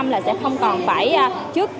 là sẽ không còn phải trước